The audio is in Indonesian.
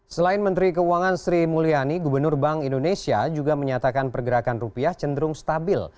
selain menteri keuangan sri mulyani gubernur bank indonesia juga menyatakan pergerakan rupiah cenderung stabil